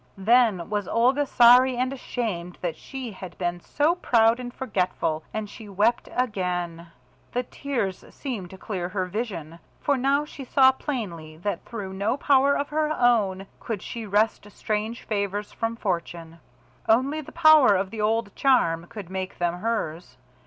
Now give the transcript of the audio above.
Then was Olga sorry and ashamed that she had been so proud and forgetful, and she wept again. The tears seemed to clear her vision, for now she saw plainly that through no power of her own could she wrest strange favours from fortune. Only the power of the old charm could make them hers.